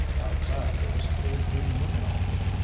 Outside there was clear blue moonlight.